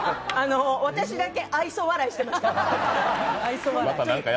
私だけ愛想笑いしていました。